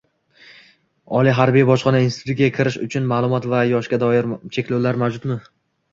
Oliy harbiy bojxona institutiga kirish uchun ma’lumot va yoshga doir cheklovlar mavjudmi?